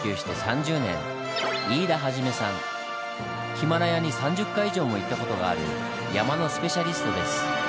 ヒマラヤに３０回以上も行った事がある山のスペシャリストです。